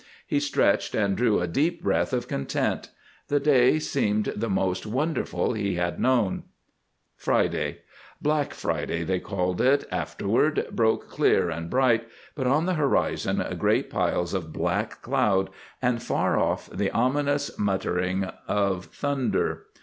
He stretched and drew a deep breath of content. The day seemed the most wonderful he had known. Friday, Black Friday they called it afterward, broke clear and bright, but on the horizon great piles of black cloud and far off the ominous muttering of thunder.